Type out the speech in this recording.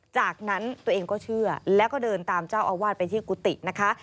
จากนั้นตัวเองก็เชื่อแล้วก็เดินตามเจ้าอาวาสไปที่กุฏินะคะ